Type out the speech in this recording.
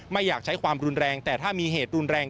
ไม่อยากใช้ความรุนแรงแต่ถ้ามีเหตุรุนแรง